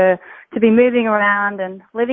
untuk berpindah ke tempat lain